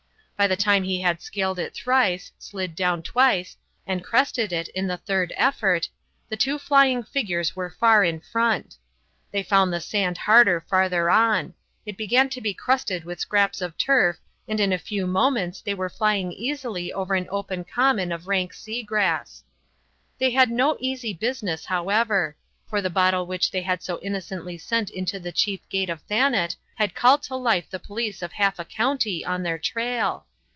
By the time he had scaled it thrice, slid down twice, and crested it in the third effort, the two flying figures were far in front. They found the sand harder farther on; it began to be crusted with scraps of turf and in a few moments they were flying easily over an open common of rank sea grass. They had no easy business, however; for the bottle which they had so innocently sent into the chief gate of Thanet had called to life the police of half a county on their trail.